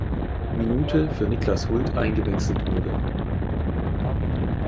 Minute für Niklas Hult eingewechselt wurde.